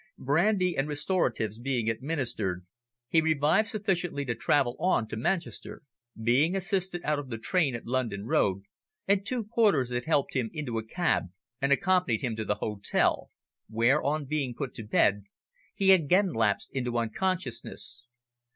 Brandy and restoratives being administered, he revived sufficiently to travel on to Manchester, being assisted out of the train at London Road, and two porters had helped him into a cab and accompanied him to the hotel, where, on being put to bed, he again lapsed into unconsciousness.